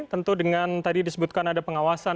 tentu dengan tadi disebutkan ada pengawasan